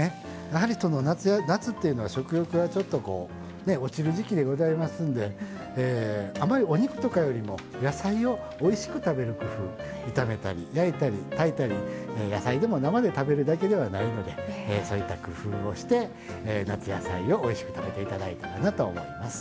やはりその夏っていうのは食欲がちょっとこう落ちる時期でございますんであまりお肉とかよりも野菜をおいしく食べる工夫炒めたり焼いたり炊いたり野菜でも生で食べるだけではないのでそういった工夫をして夏野菜をおいしく食べて頂いたらなと思います。